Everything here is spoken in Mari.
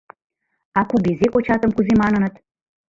А кугезе кочатым кузе маныныт?